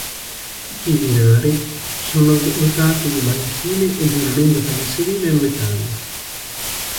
Tutti i binari sono dotati di banchine e di una lunga pensilina in metallo.